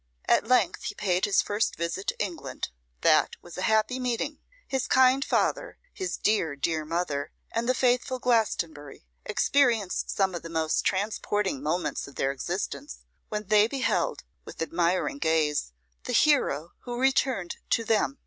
At length he paid his first visit to England. That was a happy meeting. His kind father, his dear, dear mother, and the faithful Glastonbury, experienced some of the most transporting moments of their existence, when they beheld, with admiring gaze, the hero who returned to them.